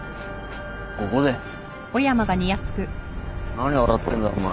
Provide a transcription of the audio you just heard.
何笑ってんだお前。